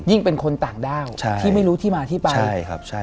ยิ่งเป็นคนต่างด้าวที่ไม่รู้ที่มาที่ไป